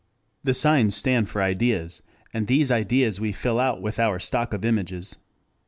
The signs stand for ideas, and these ideas we fill out with our stock of images.